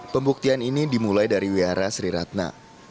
pembuktian ini dimulai dari wiara sri ratna